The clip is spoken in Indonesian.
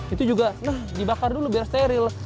itu juga nah dibakar dulu biar steril